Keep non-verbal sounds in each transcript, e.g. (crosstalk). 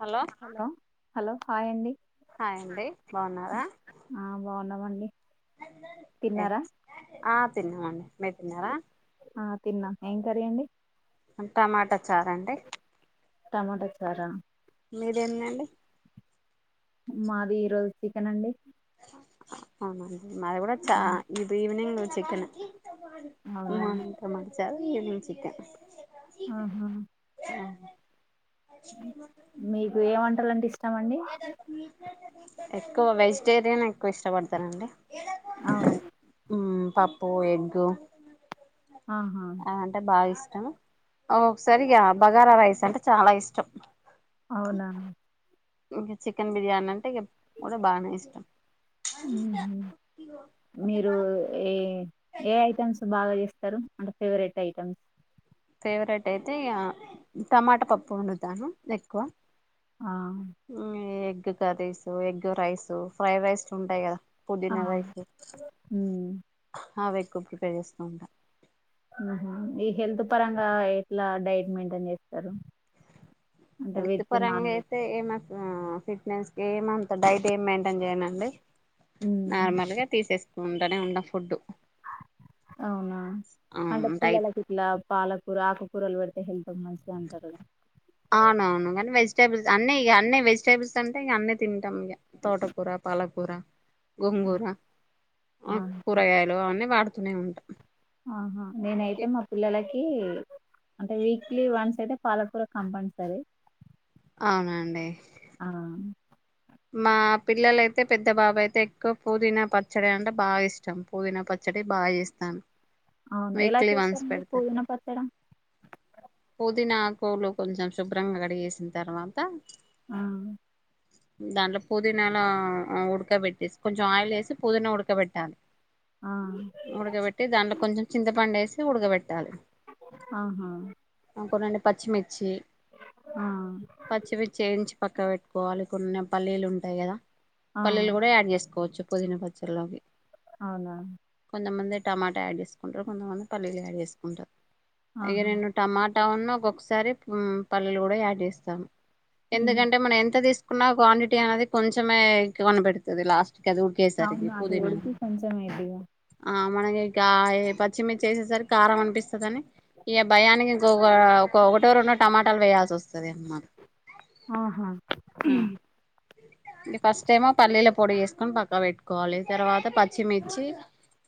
Hello hello hi అండి hi అండి బాగున్నారా అండి ఆ తిన్నాను మేరు తిన్నారా తిన్నా ఏం కర్రీ అండి టమాటా చార అండి టమాటా చారా మీది ఎంది అండీ మాది ఈ రోజు చికెన్ అండి అవునండి మరి కూడా చ ఇది ఈవినింగ్ చికన్ అవునా మంత మ చది చికన్ ఆహా అరే మీకు ఏ వంటలంటే ఇష్టం అండి (unintelligible) ఎక్కువ వేసు వెజిటేరియన్ ఎకువ ఇష్టపడతానండి అవును పప్పు ఎగ్గు ఆహా అ అంటే బాగా ఇస్త ఒకసారి బగారా రైస్ అంటే చాలా ఇష్టం అవునా చికెన్ బిర్యానీ మట బాగా ఇష్టష్టం ఉహు ఏయితా అనుసుున్నా బాగా చేస్తారు అంట ఫేవరెట్ ఐటమ్స్ ఫేవరెట్ అయితే టమాటా పప్పు వండుతాను ఎక్కువ ఆ ఉమ్ ఏ egg curries egg rice fry rice ఉంటాయి కదా ఆ పుదినారయిసు ఉమ్ అవ ఎక్కువ ప్రిపేర్ చేస్తూ ఉంటాను ఉహుమ్ ఈ హెల్త్ పరంగా ఎట్లా డైట్ మెయింటైన్ చేస్తారు అంటే వెళ్తు వెజ్ నాన్ పర్ంగా వెజ్ అయితే ఏమ ఆ ఫిట్నెస్ క ఏమంత డైట్ ఏమి మెయింటైన్ చేయనండి ఉమ్ నార్మల్ గా తీసేస్త ఉంటనే ఉండం ఫుడ్డు అవునా అంటే డైట్ పిల్లల ఇట్లా పాలకూర ఆకకూరలు పెడుతు హెల్త్ కి మంచిగా ఉంటది గా అవునవును కానీ వెజిటబుల్స్ అన్ని ఏయ్ అన్నీ వెజిటేబుల్స్ అంటే అన్నీ తిన్ టామ్ తోటకూర పాలకూర గొంగూర ఆ ఆహా కూరగాయలు అన్నీ వాడత తూనే ఉంటాం ఆహా నేనైతే మా పిల్లలకి అంటే వీక్లీ వన్స్ అయితే పాలకూర కంపఅన్డ్ సరీ అవునండి మా పిల్లల అయితే పెద్ద బాబు అయితే ఎక్కువ పుదీనా పచ్చడి అంటే బాగా ఇష్టం పుదీనా పచ్చడి బాగా చేస్తాను అవున ఎలా వీక్లీ వన్స్ చేస్తార్ మీర్ పెడతా పుదినా పచ్చడ పూలు కొంచెం శుభ్రంగా కడిగేసిన తర్వాత ఆ దాంట్లో పుదీనాలో ఉడకబెట్టేసి కొంచెం ఆయిల్ వేసి పుదీనా ఉడకబెట్టాలి ఆ ఉడకబెట్టి దాంట్లో కొంచెం చింతపండేసి ఉడకబెట్ టాలీ ఆహా అక్కనుండి పచ్చిమిర్చి ఆ పచ్చిమిర్చి వేయించి పక్క వెట్టుకోవాలి కొన్నాం పల్లెలు ఉంటాయి కదా ఆ పల్లెలు కూడా యాడ్ చేసుకోవచ్చు పుధీన పచ్చల్లోకి అవునా నమ్మందే టమాటా యాడ్ చేస్ కొంచెపు ఉన్నా కానీ పల్లీలు యాడ్ చేస్ ఉంటా ఆగే ఆహా నేను టమాటా ఉన్న ఒకసారి పల్లిలు కూడా యాడ్ చేస్తాము ఉమ్ ఎందుకంటే మనం ఎంత తీసు న్న క్వాన్ టీ అనేది కొంచెమే కనపెడుతది లాస్ట్ కేసరి అవును అది పుధీనా ఉడికి కొంచెం అయిద్దిగా మనకికా పచ్చిమిర్చిేసేసరికి కారం అనిపిస్తధని ఏ భయానికి ఇక ఒక ఒకటో రెండో టమాటాలు వేయాల్సి వస్తది అన్నమాట ఆహా ఉమ్ ఇ ఫస్ట్ టైమ పల్లీల పొడి వేసుకొని పక్కా పెట్టుకోవాలి తర్వాత పచ్చిమిర్చి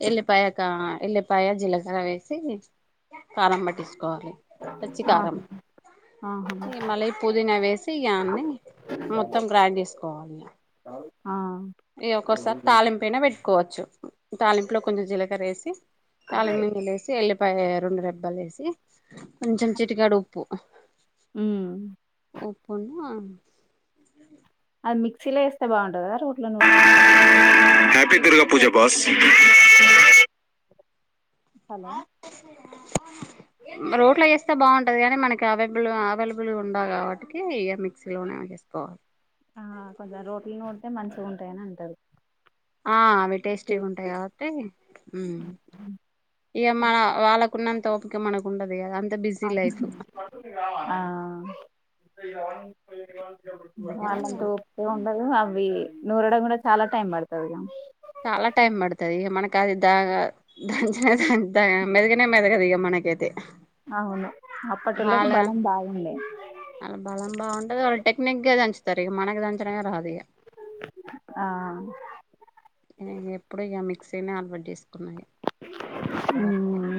ఎల్లిపాయక ఎల్లిపాయ జీలకర్ర వేసి కారం పట్టించ వాలి పచ్చికారం ఆహా ఆహా ఈ మళ్ళీ పుదీనా వేసి అన్ని మొత్తం గ్రాండ్ చేస్ కోవాలి ఆ ఇ ఒక్కోసారి తాళింపైనా పెట్టుకోవచ్చు తాలింపులో కొంచెం జీలకర్ర వేసి తాలింపు మిర్రులేసి ఎలిప్ ప రెండు రెబ్బ లేసి కొంచెం చిటికడు ఉప్పు హ్మ్ ఉప్పు నా అది మిక్సీలో వేస్తే బాగుంటుందా రోట్లో హ్యాపీ గృహ మిక్సీలో పూజ బాస్ వేస్తేనే బా హలో రోట్లో వేస్త ఇ బాగుంటది కానీ మనకి అవైబుల్ అవైలబుల్ ఉండ కాబట్టి ఇక మిక్సీలోనే వేసుకోవాలి ఆ కొంచెం రోట్లు నూడితే మంచిగా ఉంటాయని అంటారు ఆ టేస్టీ ఉంటాయి కాబట్టి ఇక మన వాళ్ళ న్నంత ఓపిక మనకు ఉండది ఆ (unintelligible) అందుకని ఇగ వాళ్ళంతా ఓపిక ఉండదు అవి నూరడం కూడా చాలా టైమ్ బడతదిగా చాలా టైం పడతది మనకు అది దాగా దంచిన మెదగనే మెదగదు ఇక మనకైతే అవును అప్పటిలోకి వాళ్ళ బలం బాగుండే వాళ్ళ బలం బాగుంటది వాళటెక్నిక్గా దన్చు తరిగ మనకు దంచనే రా ఆ, ఎప్పుడు ఏమి (unintelligible) కున్నాయి ఇప్పటివరకు అయితే ఉమ్,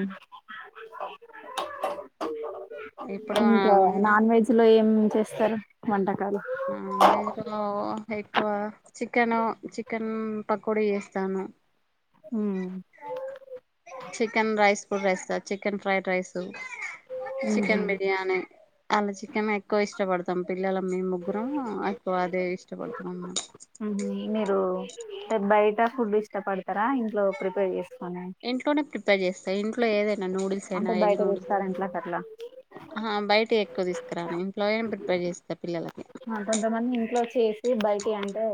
(inaudible) ఇప్పుడు ఇంకా ఉన్న నాన్ వెజ్ లో ఏం చేస్తారు వంట నాన్ వెజ్ లో ఎక్కువ చికెన్ చికెన్ పకోడ వేస్తాను హ్మ్ చికెన్ రైస్ కు వేస్తా చికెన్ ఫ్రైడ్ రైస్ ఉమ్హు, చికెన్ బిర్యాని అలా చికెన్ ఎక్కువ ఇష్టపడతాం పిల్లల మేం ముగ్గురం ఎక్కువ అదే ఇష్టపడతాం హు మీరు బయట ఫుడ్ ఇష్టపడతారా ఇంట్లో ప్రిపేర్ చేస్తా ఇంట్లోనే ప్రిపేర్ చేస్తా ఇంట్లో ఏదైనా నూడిల్స్ అయినా అంటే ఎగ్ బయట నూడిల్స్ రెస్టారెంట్ లకు అట్లా హా బయట తీసుకురానిను కొంతమంది ఇంట్లో చేసి బయటివి అంటే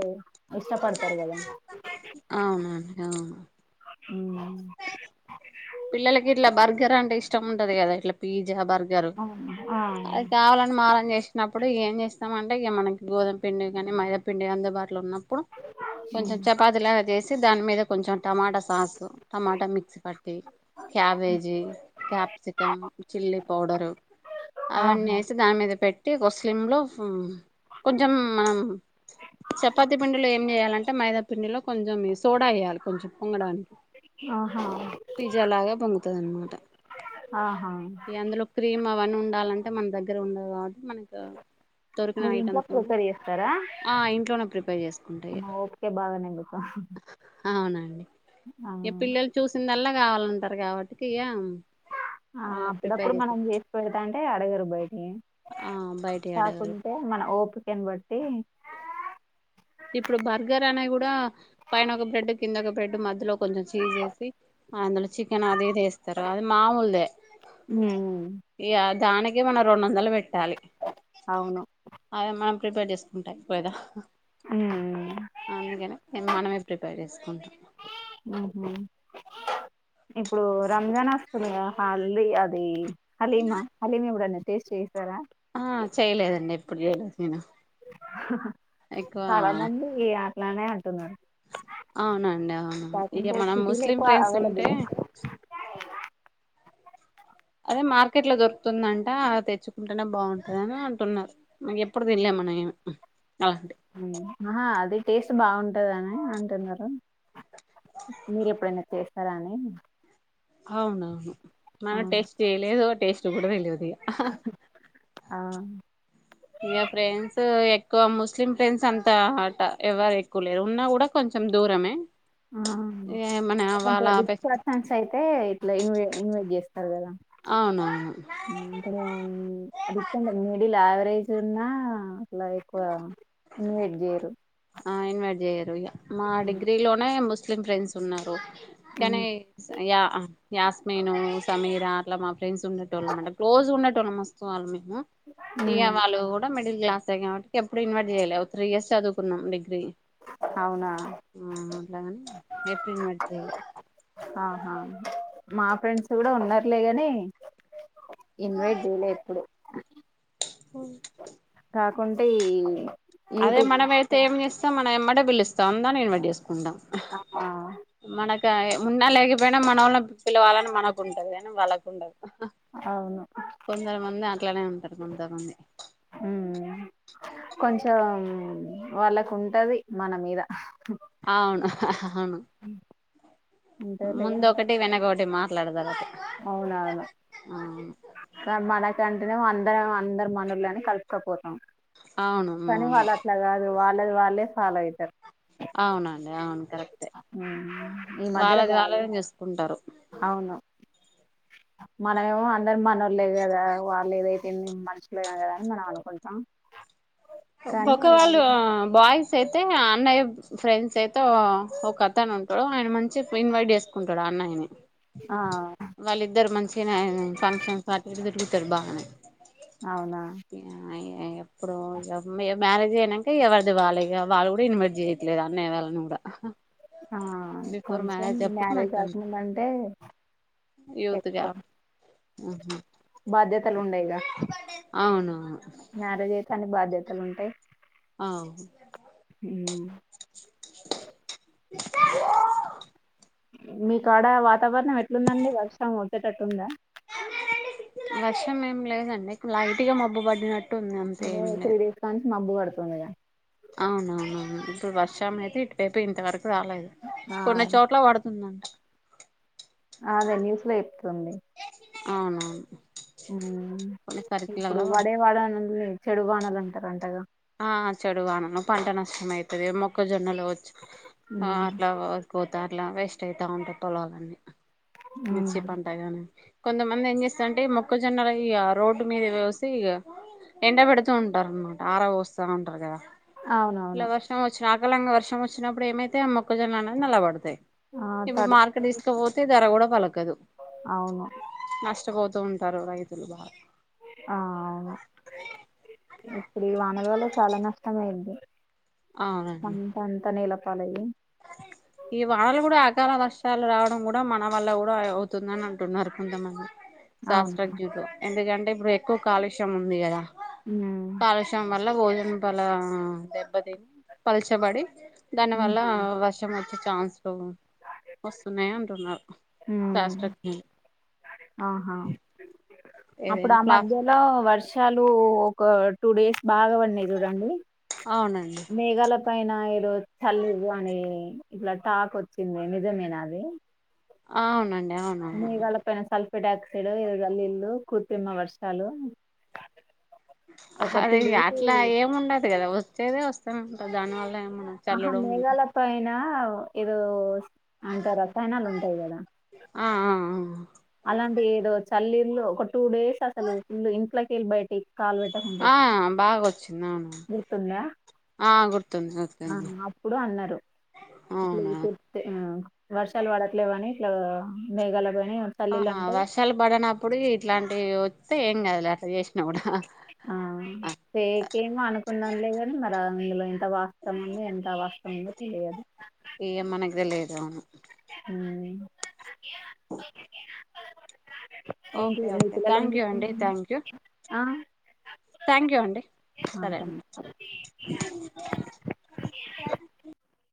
ఇష్టపడతారు కదా ఆ ఊ పిల్లలకి ఇట్లా బర్గర్ అంటె ఇష్టం ఉంటది కదా ఇట్లా పి పిజ్జా, బర్గర్ ఆ అది కావాలని మారం చే వచ్చినప్పుడు ఏం చేస్తామ అంటే ఇక మనకి గోదు మ పిండి కానీ మైదా కానీ పిండి అందుబాటులో ఉన్నప్పు ఆప్పుడు కొంచెం చపాతి లాగా చేసి దాని మీద కొంచెం tomato sauce tomato mix cabbage capsicum chilli powder ఆహా అవన్నీ వేసి దాని మీద పెట్ అంటే ఒ సిమ్ లో కొంచెం మనం చపాతి పిండిలో ఏం చేయాలంటే మైదా పిండిలో కొంచెం సోడా వేయాలి కొంచెం పొంగడానికి ఆహా పిజ్జా లాగా పొంగుతుంది అనమాట ఆహా ఇగ అందులో క్రీమ్ అవన్నీ ఉండాలంటే మన దగ్గర ఉండే వా మనకు దొరికిన మీరు ఇంట్లో ఐటమ్స్ తోనే ప్రిపేర్ చేస్తారా ఇంట్లోనే ప్రిపేర్ చేసుకుంటా ఇగ అమ్మ ఓపికే బాగానే మీకు అవునండి ఆ ఈ పిల్లలు చూసిందల్లా కావాలంటారు కాబట్టికి ఆ వాళ్ళకి ప్రిపేర్ అప్పుడప్పుడు మనం చేసి పెడతాంటే అడగరు బయటికి ఆ బయటియి అడగరు కాకుంటే మన ఓపికని బట్టి ఇప్పుడు బర్గర్ అనే కూడా పైన ఒక బ్రెడ్ కింద ఒక బ్రెడ్ మధ్యలో కొంచెం చీజ్ ఏసీ అందులో చికెన్ అది ఇది వేస్తారు అది మామూలుదే ఉమ్, ఈ దానికి మన రెండు వందలు పెట్ పెట్టాలి అవును అదే మన ప్రిపేర్ చేసుకుంటాం కదా ఉమ్, అందుకని మనమే ప్రిపేర్ చేసుకుంటాం. ఉహు. ఇప్పుడు రంజాన్ వస్తుందికదా హల్ అది హలీమా హలీమెప్పుడన్నా టేస్ట్ చేసారా ఆ చేయలేదండి ఎప్పుడు చేయలేదు నేను ఎక్కువ చాలా మంది ఇలానే అంటున్నారు అవునండి అవును ఇక కాకుంటే మనం సిటీలో ముస్లిం ఎక్కువ ఫ్రెండ్స్ ఉంటే అవైలబుల్ అదే మార్కెట్ లో దొరుకుతుందంట అ తెచ్చుకుంటేనే బావుంటదని అంటున్నారు (unintelligible) ఎప్పుడూ తినలే మన ఏమి ఔ మ్మ్ ఆహా అది టేస్ట్ బావుంటదని అంటున్నారు మీరు ఎప్పుడైనా చేస్తారా అని అవునవును ఆ మనం టేస్ట్ చేయలేదు టేస్ట్ చుడవే లేదు ఆ (unintelligible) ఇగ ఫ్రెండ్స్ ఎక్కువ ముస్లిం ఫ్రెండ్స్ అంత అట ఎవరు ఎక్కువ లేరు ఉన్నా కూడా కొంచెం దూరమే ఆ ఏమనా వాళ్ళ (inaudible) ఫెస్ పర్సన్స్ అయితే ఇట్లా ఇన్వ ఇన్వైట్ చేస్ టరు గదా అవునవును (inaudible) డిపెండై మిడిల్ ఆవరేజ్ చున్నా అట్లా ఎక్కువ ఇన్వైట్ చెయ్యరు ఆ ఇన్వైట్ చెయ్యరు ఇగ మా ఉమ్, డిగ్రీ లోనే ముస్ స్లిం ఫ్రెండ్స్ ఉన్నారు కనీ యా యాస్మిను సమీరా అట్లా మా ఫ్రెండ్స్ ఉండెటోళ్ళు అనమాట క్లోజ్ ఉండెటోళ్ళం మస్తు వాళ్ళు మే ము ఇగ ఉమ్, వాళ్ళు కూడా మిడిల్ క్లాసే కాబట్టి ఎప్పుడు ఇన్వైట్ చెయ్ లా త్రీ ఇయర్స్ చదువు కున్నాం డిగ్రీ అవునా ఆ అట్లాగానే ఏప్రిల్ మిడ్త్ ఆహా మా ఫ్రెండ్స్ కూడా ఉన్నారులేగాని ఇన్వైట్ చెయ్ లే ఎప్పుడు కాక్ కొంటే ఈ అదే యూట్యూబ్ మనం అయితే ఏం చేస్తాం మ మ యమ్మటే పిలుస్తాం దాన్నే ఇన్వైట్ చేస్ కుంటాం ఆ మనకా ఉన్నా లేకపోయినా మనోళ్ళని పిలవాలని మనకుంటది కానీ వాళ్ళకుండదు అవును కొందరుమంది అట్లానే ఉంటారు కొంతమంది కొంచం వాళ్ళకు ఉంటది మన మీద అవును అవును ఉంటదిలే ముంద గాని ఒకటి వెనక ఒకటి మా ట్లడా దార అవునవును కన్ మనకం అంట అందరం అందరు మనోల్లని కలుపుకపోతాం అవును కని అవును వాళ్ళట్లకాదు వా ల్లాది వాళ్ళే ఫాలో అయితరు అవునండి అవును కరెక్టే ఉహు మద్యల వాళ్ళది బాగ వాళ్ళే చూసుకుంటారు అవును మనమేమో అం ందరు మనోళ్లే కదా వాళ్ళు ఏదైతే ఎన్ని మనుషులే కదని మనం అనుకుంటాం కానీ ఒక వాళ్ళు ఆ బాయిస్ స్ అయితే అన్నయ్య ఫ్రెండ్స్ అయితే ఒక అతను ఉంటాడు ఆయన మంచిగా క్విన్వైట్ చేసుకుంటాడు అన్నయ్యని ఆ వాళ్ళ ఇద్దరు మంచి ఫంక్షన్స్ అటు ఇటు తిరుగుతడు బాగనె అవునా ఎప్పుడు ఎ మ్యారేజ్ అయ్యానంక ఎవరిది వాళ్ళ వాళ్ళు కూడా ఇన్వైట్ చేయట్లేదు అన్నయ్య వాళ్ళని కూడా ఆ బిఫోర్ కొంచెం అప్పుడు మ్యారేజ్ మంచిగా కాకముందంటే యూత్ ఎక్కువ గా ఆహా బాధ్యతలు ఉండయిగా అవునుఅవును తలుంటాయి అవు (inaudible) మీ కాడ వాతావరణం ఎ ట్లుందండి అండి వర్షం గొ ట్టేటట్టుందా వర్షం ఏం లేదండి లైట్గా మబ్బు పడినట్టు ఉంది అంతే అదే ఏం త్రి డేస్ కానుంచి మబ్బు పడు (unintelligible) అవునా ఇప్పుడు వర్షం అయితే ఇటువైపు ఇంతవరకు రాలేదు ఆ కొన్ని చోట్ల పడు తుందంట అదే న్యూస్ లో చెప్తుంది అవునవును ఉమ్ కొన్ని ఇప్పుడు సర్కిలలా వాడే పడుతుంది వాడ అని లే చెడు వానలు అంటారంటగా ఆ చెడుగానను పంట నష్టం అవుతుంది మొక్కజొన్నలో ఆ ఉమ్ అట్లాపోతు అట్లా వేస్ట్ అయితా ఉంటుంది పొలాలన్నీ ఉమ్. మిర్చిపంటగాని కొంతమంది ఏం చేస్తారంటే మొక్కజొన్నలు ఇగ రోడ్డు మీద పొసి ఇగ ఎండ పెడుతూ ఉంటారు అనమాట ఆరబోసి సముగుంట గా ఇలా అవునవును వర్షంవచ్చన అకలంగా వర్ష వచ్చినప్పుడు ఏమైతే ఆ మొక్కజొలు అనేది నలబడతాయి ఆ ఇప్పుడు తడు మార్కెట్ తీసుకపోతే ధర కూడా కదు అవును నష్టపోదు వస్తూ ఉంటారు రైతులు బాగా ఆవును ఈవానల వల్ల చాలా నష్టం అయింది అవునండి పంట అంత నేలప్ పాలయి ఈ వానలు కూడా అకాల వర్షాలు రావడం కూడా మన వల్ల కూడా అవుతుందని అంటున్నారు కొంతమంది అవును శాస్త్రజ్జూతు ఎందుకంట టే ఇప్పుడు ఎక్కువ కాలుష్యం ఉంది కదా హ్మ్ కాలుస్యం వల్ల భోజనం పాలా పలుచబడి దాని వల్లా హుహు. వచ్చెచాన్స్ వస్తున్నాయి అంటున్నారు హ్మ్. శాస్త్రజ్ఞలు ఆహా అప్పుడు ఆ ఏదైనా ప్లాస్టిక్ మధ్యలో వర్షాలూ ఒక టూ డేస్ బాగావన్నయి చూడండి అవునండి మేఘాల పైన ఏరోజు తల్లివు అని ఇట్లా టాక్ వచ్చింది నిజమేన అది అవునండి అవునవును మేఘల పైన స్థల్‌ ఎటాక్లి ఇల్లు కుర్తిమ వర్షాలు ఒక అది డేస్ అట్లా ఏముండదు గదా తేదే వస్తానంట దానివల్ల ఆహా మేఘాల పైన ఏదో అంటే రసాయనాలు ఉంటాయి కదా ఆ ఆ అలాంటి ఏదో చలిల్లు ఒక టూ డేస్ అసలు ఫుల్ ఇంట్లోకెళ్లి బయటి ఆ బాగా వచ్చింది అవును గుర్తుందా? ఆ గుర్తుంది గుర్తుంది అవునా (unintelligible) దొరుకుతాయ్ వర్షాలు పడట్లేవాని ఇట్లా మేఘాల ఆహా వర్షాలు పడన ఇప్పుడు ఇట్లాంటివి వస్తే ఏం కాదు అట్ల చేసినా కూడా ఆ ఫేకేమో అనుకున్నాంలే కాని మరా ఇందులో ఎంత వాస్తవం ఉందో ఎంత అవాస్తం ఉందో తెలియదు ఇగ మనకి తెలియదు హ్మ్ ఏంటి ఓకే మీ ఓకే పిల్లలు ఏం థ్యాంక్ యూ అండి చేస్తున్నారు థ్యాంక్ యూ ఆ థ్యాంక్ యూ అండి ఆ సరే తను